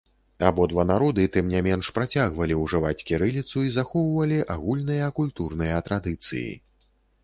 Абодва народы, тым не менш, працягвалі ўжываць кірыліцу і захоўвалі агульныя культурныя традыцыі.